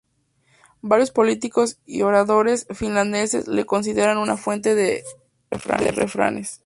Varios políticos y oradores finlandeses lo consideran una fuente de refranes.